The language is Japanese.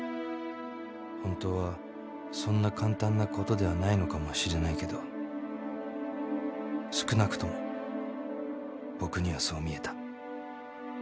本当はそんな簡単な事ではないのかもしれないけど少なくとも僕にはそう見えた